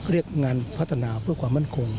เรียกงานพัฒนาเพื่อความมั่นคง